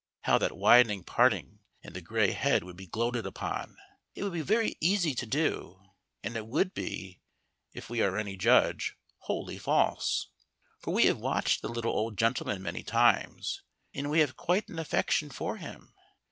How that widening parting in the gray head would be gloated upon. It would be very easy to do, and it would be (if we are any judge) wholly false. For we have watched the little old gentleman many times, and we have quite an affection for him.